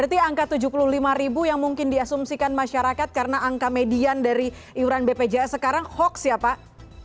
berarti angka tujuh puluh lima ribu yang mungkin diasumsikan masyarakat karena angka median dari iuran bpjs sekarang hoax ya pak